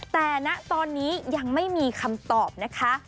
แต่ณตอนนี้ยังไม่มีคำตอบนะคะ